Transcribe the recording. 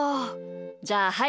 じゃあはい